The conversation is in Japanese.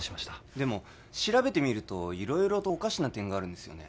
でも調べてみると色々とおかしな点があるんですよね